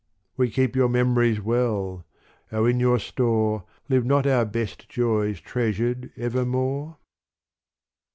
We keep your memories well : O in your store Live not our best joys treasured evermore